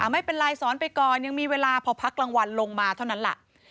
ไม่เป็นไรสอนไปก่อนยังมีเวลาพอพักกลางวันลงมาเท่านั้นแหละ